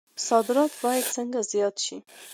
صادرات باید څنګه زیات شي؟